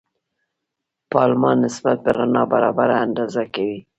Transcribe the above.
پالما نسبت نابرابري اندازه کوي.